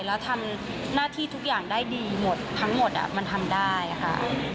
แล้วทำหน้าที่ทุกอย่างได้ดีหมดทั้งหมดมันทำได้ค่ะ